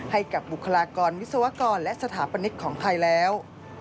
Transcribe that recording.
ให้กับบุคลากรวิศวกรและสถาปนิกของไทยแล้ว